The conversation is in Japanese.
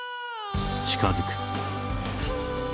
近づく。」。